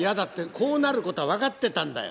こうなることは分かってたんだよ！